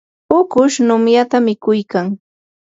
ukush numyata mikuykan.